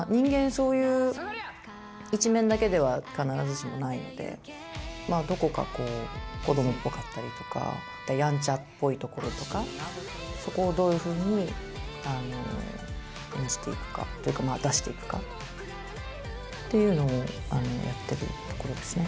そういう一面だけでは必ずしもないのでどこかこう子どもっぽかったりとかやんちゃっぽいところとかそこをどういうふうに演じていくかというか出していくかっていうのをやってるところですね。